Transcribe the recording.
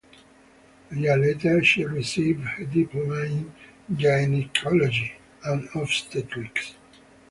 A year later, she received her diploma in gynaecology and obstetrics.